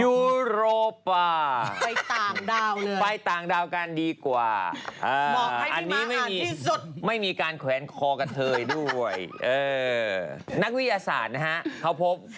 อุโรปะไปต่างดาวกันดีกว่าอันนี้ไม่มีการแขวนคอกับเธอยด้วยนักวิทยาศาสตร์นะฮะเขาพบ